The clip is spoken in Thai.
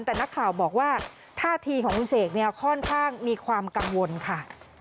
แต่นักข่าวบอกว่าท่าทีของคุณเสกเนี่ยค่อนข้างมีความกังวลค่ะ